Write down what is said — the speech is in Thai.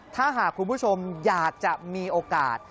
ถ้าหากคุณผู้ชมอยากจะมีโอกาส